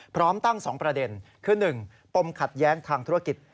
พร้อมตั้ง๒ประเด็นคือ๑ปมขัดแย้งทางธุรกิจ